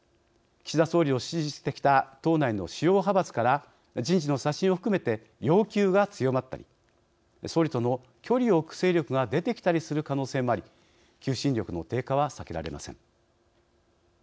岸田総理を支持してきた党内の主要派閥から人事の刷新を含めて要求が強まったり総理との距離を置く勢力が出てきたりする可能性もあり求心力の低下は避けられません。